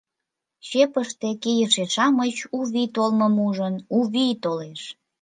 Чепыште кийыше-шамыч, у вий толмым ужын: — У вий толеш!